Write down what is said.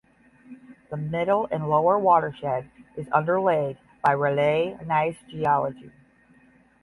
The middle and lower watershed is underlaid by Raleigh Gneiss geology.